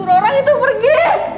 semua orang itu pergi